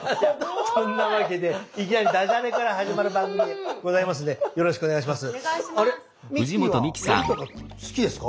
そんなわけでいきなりダジャレから始まる番組でございますのでよろしくお願いします。